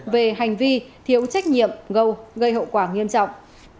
về hành vi thiếu trách nhiệm gây hậu quả nghiêm trọng